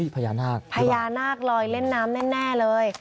พญานากลอยเล่นน้ำแน่เลย